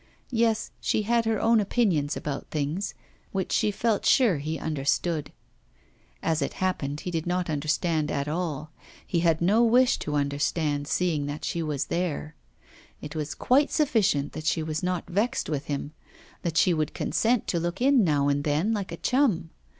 Yes, she had her own opinions about things, which she felt sure he understood. As it happened, he did not understand at all he had no wish to understand, seeing that she was there. It was quite sufficient that she was not vexed with him, that she would consent to look in now and then like a chum.